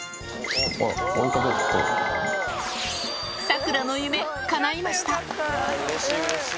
サクラの夢、かないました。